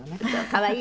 可愛い？